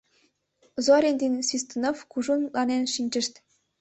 Зорин ден Свистунов кужун мутланен шинчышт.